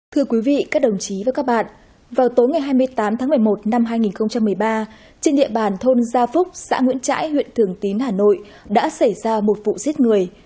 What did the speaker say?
thưa quý vị các đồng chí và các bạn vào tối ngày hai mươi tám tháng một mươi một năm hai nghìn một mươi ba trên địa bàn thôn gia phúc xã nguyễn trãi huyện thường tín hà nội đã xảy ra một vụ giết người